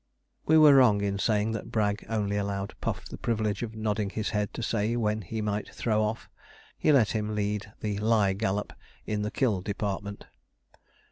We were wrong in saying that Bragg only allowed Puff the privilege of nodding his head to say when he might throw off. He let him lead the 'lie gallop' in the kill department.